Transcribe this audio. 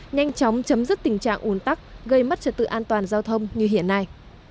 nhanh chóng chấm dứt tình trạng ủn tắc gây mất trật tự an toàn giao thông như hiện nay